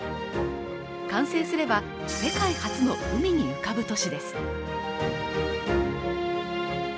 完成すれば世界初の海に浮かぶ都市です。